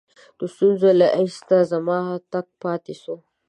د ستونزو له آسیته زما تګ پاته سو.